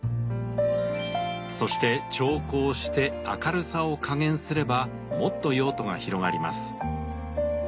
そして調光して明るさを加減すればもっと用途が広がります。